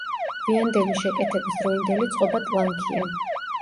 გვიანდელი შეკეთების დროინდელი წყობა ტლანქია.